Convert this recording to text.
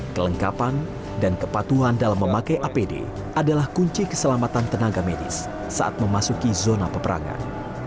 kelengkapan dan kepatuhan dalam memakai apd adalah kunci keselamatan tenaga medis saat memasuki zona peperangan